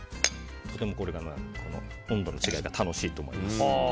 とても温度の違いが楽しいと思います。